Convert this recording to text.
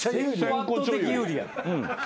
先攻圧倒的有利やん。